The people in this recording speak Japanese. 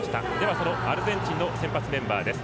そのアルゼンチンの先発メンバーです。